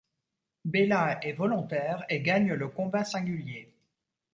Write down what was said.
Béla est volontaire et gagne le combat singulier.